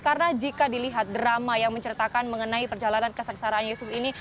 karena jika dilihat drama yang menceritakan mengenai perjalanan kesengsaraan yesus ini